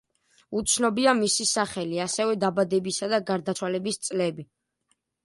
უცნობია მისი სახელი, ასევე დაბადებისა და გარდაცვალების წლები.